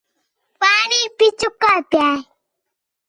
پاݨی بھی چُکّا پِیا ہِے